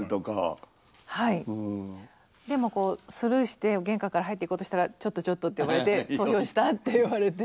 でもこうスルーして玄関から入っていこうとしたら「ちょっとちょっと」って呼ばれて「投票した？」って言われて。